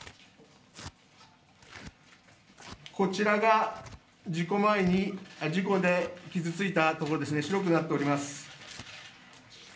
こちらが事故で傷ついたところですね、白くなっております。